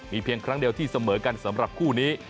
เพียงครั้งเดียวที่เสมอกันสำหรับคู่นี้